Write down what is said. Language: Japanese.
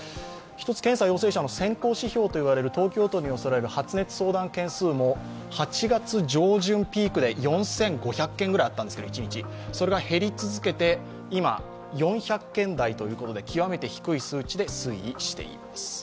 検査陽性者の先行指標といわれる東京都に寄せられる発熱相談件数も８月上旬ピークで一日４５００件ぐらいあったんですけど、それが減り続けて、今、４００件台ということで、極めて低い数値で推移しています。